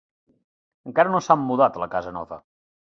Encara no s'han mudat a la casa nova.